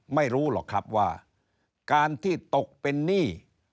ไม่รู้หรอกครับว่าการที่ตกเป็นหนี้